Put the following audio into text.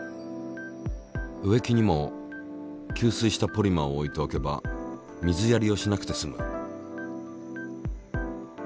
植木にも吸水したポリマーを置いておけば水やりをしなくて済む。